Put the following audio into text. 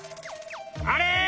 あれ！？